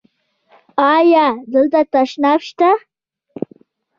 ایا دلته تشناب شته؟